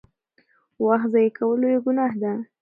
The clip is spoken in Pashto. وخت ضایع کول لویه ګناه ده.